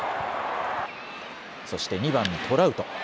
そして２番・トラウト。